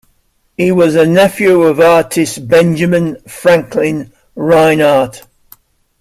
He was a nephew of artist Benjamin Franklin Reinhart.